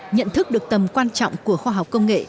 nhận thức được tầm quan trọng của khoa học công nghệ